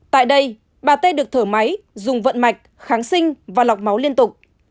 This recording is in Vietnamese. tại đây bà tê được thở máy dùng vận mạch kháng sinh và lọc máu liên tục